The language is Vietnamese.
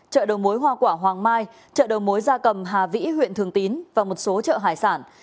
chợ đầu mối hoa quả hoàng mai chợ đầu mối gia cầm hà vĩ huyện thường tín và một số chợ hải sản